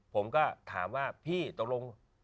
ผมก็ถามว่าพี่ตกลง